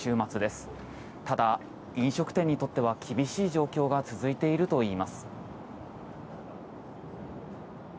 ただ、飲食店にとっては厳しい状況が続いているといいます。